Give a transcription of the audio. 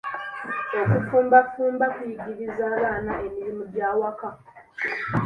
Okufumbafumba kuyigiriza abaana emirimu gy'awaka.